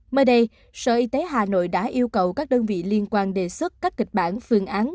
mới đây sở y tế hà nội đã yêu cầu các đơn vị liên quan đề xuất các kịch bản phương án